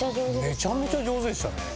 めちゃめちゃ上手でしたね。